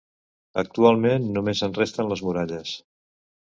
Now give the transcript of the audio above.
Actualment només en resten les muralles.